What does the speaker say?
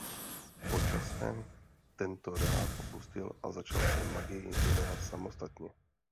Po čase tento řád opustil a začal se magii věnovat samostatně.